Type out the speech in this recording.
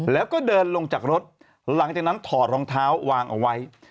แล้วก็เดินลงจากรถหลังจากนั้นถอดรองเท้าวางเอาไว้